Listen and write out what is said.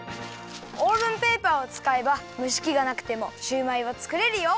オーブンペーパーをつかえばむしきがなくてもシューマイはつくれるよ！